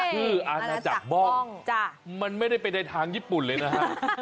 คืออาณาจักรบ้องมันไม่ได้ไปในทางญี่ปุ่นเลยนะฮะ